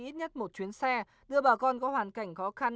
ít nhất một chuyến xe đưa bà con có hoàn cảnh khó khăn